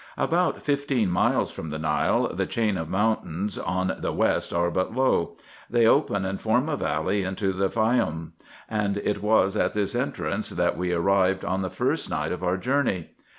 About fifteen miles from the Nile? the chain of mountains on the west are but low. They open and form a valley into the Faioum ; and it was at this entrance that we arrived on the first night of our journey.